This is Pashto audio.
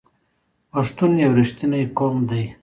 پښتون یو رښتینی قوم دی.